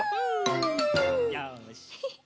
よし！